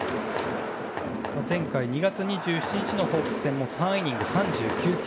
前回２月２７日のホークス戦も３イニング、３９球。